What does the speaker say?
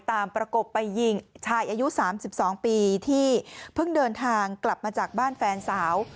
ประกบไปยิงชายอายุ๓๒ปีที่เพิ่งเดินทางกลับมาจากบ้านแฟนสาว